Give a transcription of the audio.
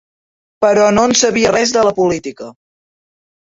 Però no'n sabia res de la política